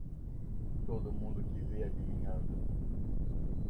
Todo mundo que vê adivinhando